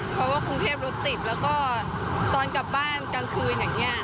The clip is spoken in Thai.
เพราะว่ากรุงเทพรถติดแล้วก็ตอนกลับบ้านกลางคืนอย่างนี้